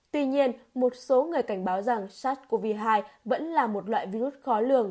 tuy nhiên một số người cảnh báo rằng sars cov hai vẫn là một loại virus khó lường